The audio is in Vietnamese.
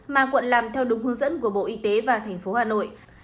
mà quận làm theo đúng hướng dẫn của bộ y tế và thành phố hà nội